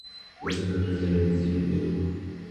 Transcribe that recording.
মেসে হোটেলে এমনি দেয়।